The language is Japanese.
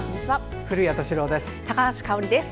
古谷敏郎です。